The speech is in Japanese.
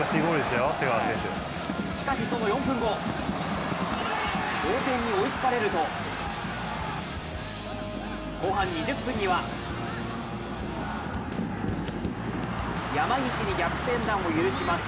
しかしその４分後、同点に追いつかれると後半２０分には山岸に逆転弾を許します。